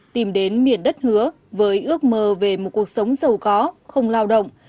tìm đến miền đất hứa với ước mơ về một cuộc sống giàu có không lao động